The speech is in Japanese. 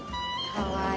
かわいい！